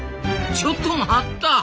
ちょっと待った！